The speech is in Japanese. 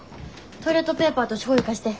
トイレットペーパーとしょうゆ貸して。